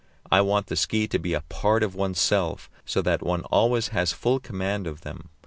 I want the ski to be a part of oneself, so that one always has full command of them.